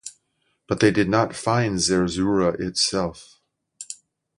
But they did not find Zerzura itself.